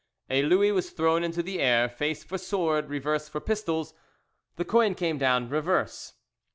A louis was thrown into the air, face for sword, reverse for pistols. The coin came down reverse.